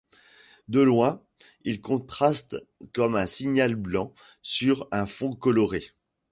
De loin, il contraste comme un signal blanc sur un fond coloré.